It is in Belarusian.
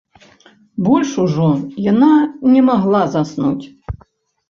Больш ужо яна не магла заснуць.